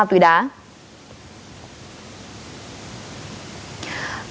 cần tết nguyên đán